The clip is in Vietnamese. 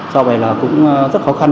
do vậy là cũng rất khó khăn